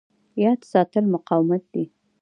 یاد ساتل مقاومت دی.